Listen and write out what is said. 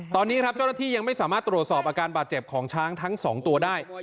ตอนนี้ครับเจ้าหน้าที่ยังไม่สามารถตรวจสอบอาการบาดเจ็บของช้างทั้ง๒ตัวได้